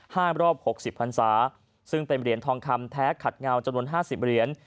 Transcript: ห้างรอบ๖๐พันศาซึ่งเป็นเหรียญทองคำแท้ขัดงาวจนลง๕๐เหรียญ